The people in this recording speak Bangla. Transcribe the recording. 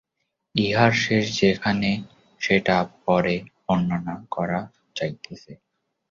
ইহার শেষ যেখানে সেটা পরে বর্ণনা করা যাইতেছে।